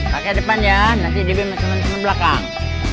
pake depan ya nanti demi masukin ke belakang